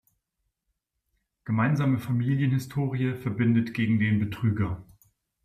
Gemeinsame Familien-Historie verbindet gegen den Betrüger.